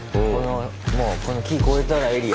もうこの木越えたらエリア。